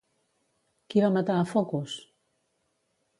Qui va matar a Focos?